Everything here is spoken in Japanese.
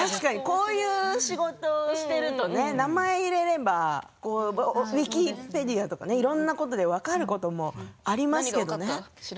こういう仕事をしていると名前を入れればウィキペディアとかいろいろなことで分かることもありますけれどね。